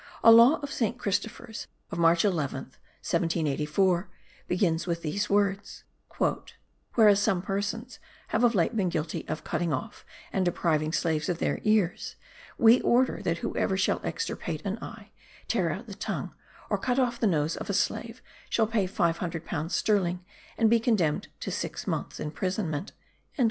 A law of saint Christopher's, of March 11th, 1784, begins with these words: "Whereas some persons have of late been guilty of cutting off and depriving slaves of their ears, we order that whoever shall extirpate an eye, tear out the tongue, or cut off the nose of a slave, shall pay five hundred pounds sterling, and be condemned to six months imprisonment."